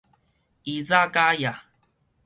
伊查跤也